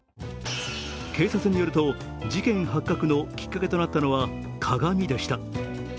警察によると、事件発覚のきっかけとなったのは鏡でした。